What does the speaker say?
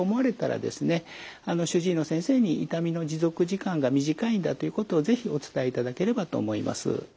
主治医の先生に痛みの持続時間が短いんだということを是非お伝えいただければと思います。